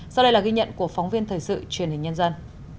sau đây là ghi nhận của phóng viên thời sự truyền hình nhân dân